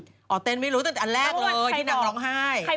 อ่าวเต้นไม่รู้แต่เกี่ยวว่าอันแรกเลยที่นางร้องไห้